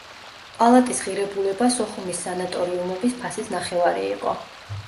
პალატის ღირებულება სოხუმის სანატორიუმების ფასის ნახევარი იყო.